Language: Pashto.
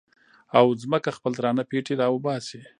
او ځمکه خپل درانه پېټي را وباسي